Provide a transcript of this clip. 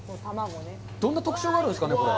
どんな特徴があるんですかね。